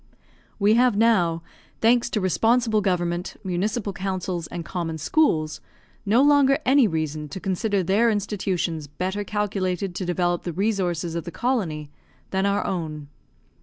We have now, thanks to responsible government, municipal councils, and common schools, no longer any reason to consider their institutions better calculated to develope the resources of the colony, than our own.